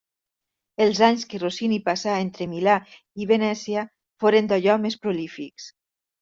Els anys que Rossini passà entre Milà i Venècia foren d'allò més prolífics.